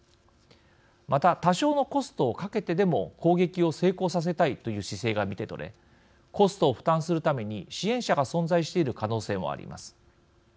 また、多少のコストをかけてでも攻撃を成功させたいという姿勢が見て取れコストを負担するために支援者が存在している可能性もあります。